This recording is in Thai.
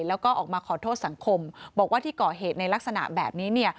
แล้วก็ออกมาขอโทษสังคมบอกว่าที่ก่อเหตุในลักษณะแบบนี้เนี่ย